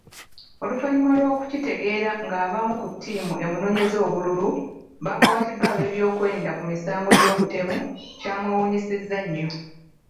Oluvannyuma lw'okukitegeera ng'abamu ku ttiimu emunoonyeza obululu, baakwatiddwa ab'ebyokwerinda ku misango gy'obutemu, kyamwenyamizza nyo.